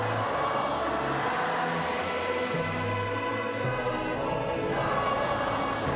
พระนึงจะให้เสียงทุกคนดังไปถึงภาพประวัติศาสตร์แทนความจงรักพักดีอีกครั้ง